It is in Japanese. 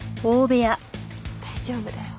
大丈夫だよ。